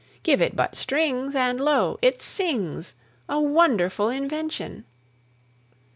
Give it but strings, and, lo, it sings, A wonderful invention!"